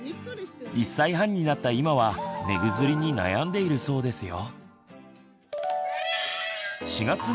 １歳半になった今は寝ぐずりに悩んでいるそうですよ。